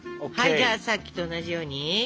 じゃあさっきと同じように。